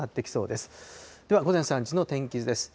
では午前３時の天気図です。